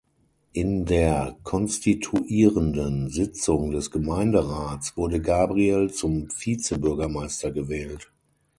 In der konstituierenden Sitzung des Gemeinderats wurde Gabriel zum Vizebürgermeister gewählt.